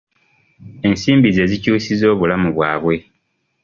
Ensimbi ze zikyusizza obulamu bwabwe.